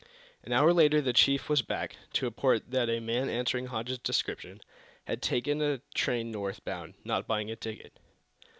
An hour later the chief was back, to report that a man answering Hodges' description had taken a train north bound, not buying a ticket.